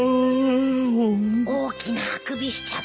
大きなあくびしちゃって。